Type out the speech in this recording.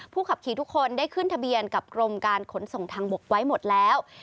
ขับขี่ทุกคนได้ขึ้นทะเบียนกับกรมการขนส่งทางบกไว้หมดแล้ว